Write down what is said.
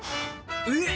えっ！